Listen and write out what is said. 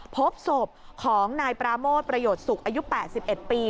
พบศพของนายปราโมทประโยชน์สุขอายุ๘๑ปี